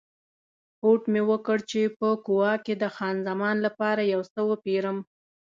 هوډ مې وکړ چې په کووا کې د خان زمان لپاره یو څه وپیرم.